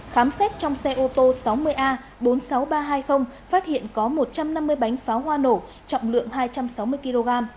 khám xét trong xe ô tô sáu mươi a bốn mươi sáu nghìn ba trăm hai mươi phát hiện có một trăm năm mươi bánh pháo hoa nổ trọng lượng hai trăm sáu mươi kg